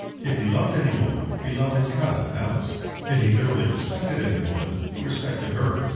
If he loved any woman he loved his cousin Alice. If he thoroughly respected any woman he respected her.